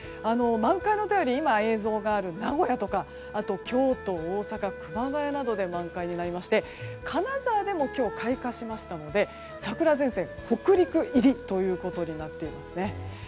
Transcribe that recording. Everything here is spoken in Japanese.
満開の便りは今、映像がある名古屋とかあと京都、大阪、熊谷などで満開になりまして金沢でも今日、開花しましたので桜前線北陸入りとなっています。